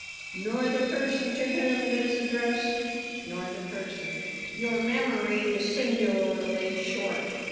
"Nor the person to whom it is addressed?" "Nor the person." "Your memory is singularly short."